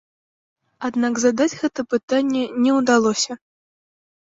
Аднак задаць гэта пытанне не ўдалося.